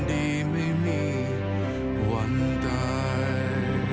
ดีไม่มีวันใด